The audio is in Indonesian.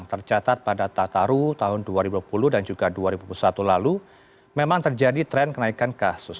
tercatat pada tataru tahun dua ribu dua puluh dan juga dua ribu dua puluh satu lalu memang terjadi tren kenaikan kasus